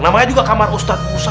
namanya juga kamar ustadz